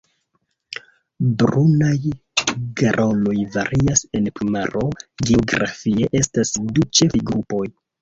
Brunaj garoloj varias en plumaro geografie: estas du ĉefaj grupoj.